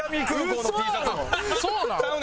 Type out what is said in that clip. そうなん？